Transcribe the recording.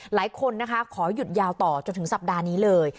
หลายคนนะคะขอหยุดยาวต่อจนถึงสัปดาห์นี้เลย